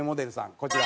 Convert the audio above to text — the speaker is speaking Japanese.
こちら。